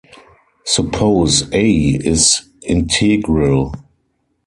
Suppose "A" is integral.